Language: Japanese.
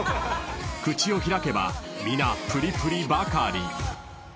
［口を開けば皆プリプリばかり］